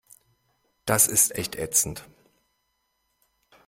Das ist echt ätzend.